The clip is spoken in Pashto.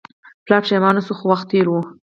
پلار پښیمانه شو خو وخت تیر و.